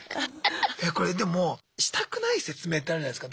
これでもしたくない説明ってあるじゃないすか。